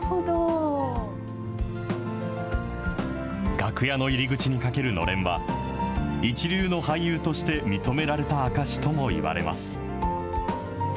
楽屋の入り口に掛けるのれんは、一流の俳優として認められた証しともいわれます。